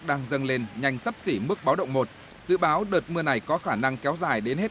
đang dâng lên nhanh sắp xỉ mức báo động một dự báo đợt mưa này có khả năng kéo dài đến hết